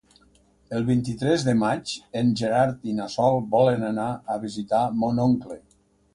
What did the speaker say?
El vint-i-tres de maig en Gerard i na Sol volen anar a visitar mon oncle.